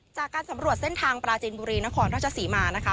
จากการสำรวจเส้นทางปราจินบุรีนครราชศรีมานะคะ